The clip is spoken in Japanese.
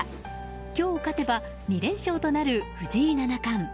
今日、勝てば２連勝となる藤井七冠。